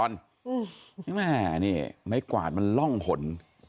แม่นี่ไม้กวาดมันร่องผล